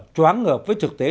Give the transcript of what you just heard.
choáng ngợp với thực tế